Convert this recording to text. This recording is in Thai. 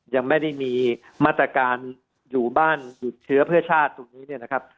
ยังไม่ได้มีมาตรการอยู่บ้านหยุดเชื้อเพื่อชาติตรงนี้เนี่ยนะครับ